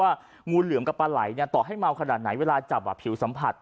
งูเหลือมกับปลาไหล่ต่อให้เมาขนาดไหนเวลาจับผิวสัมผัส